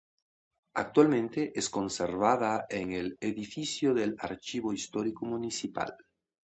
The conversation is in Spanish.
Actualmente es conservada en el edificio del Archivo Histórico Municipal.